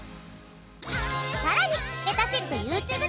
さらにめたしっぷＹｏｕＴｕｂｅ